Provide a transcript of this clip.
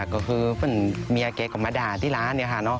ก็คือเมียเก๋ก็มาด่าที่ร้าน